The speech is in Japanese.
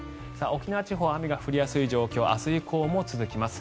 沖縄地方は雨が降りやすい状況明日以降も続きます。